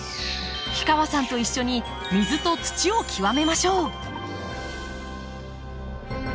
氷川さんと一緒に水と土をきわめましょう。